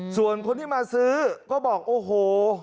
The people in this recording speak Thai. ส่วนคนที่มาซื้อก็บอกโอ้โห